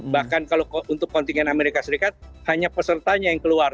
bahkan kalau untuk kontingen amerika serikat hanya pesertanya yang keluar